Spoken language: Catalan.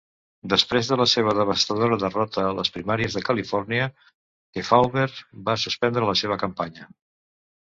Després de la seva devastadora derrota a les primàries de Califòrnia, Kefauver va suspendre la seva campanya.